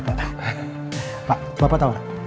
pak apa tau gak